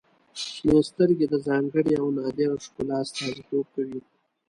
• شنې سترګې د ځانګړي او نادره ښکلا استازیتوب کوي.